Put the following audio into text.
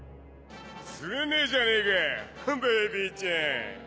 つれねえじゃねえかァベイビーちゃん